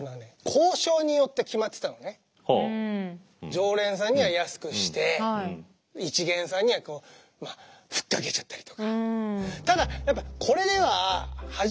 常連さんには安くして一見さんには吹っかけちゃったりとか。